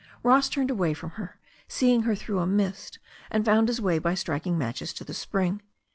Ross turned away from her, seeing her through a mist, and found his way by striking matches to the spring.